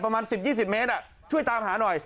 ประมาณ๑๐๒๐เมตรช่วยตามหาหน่อย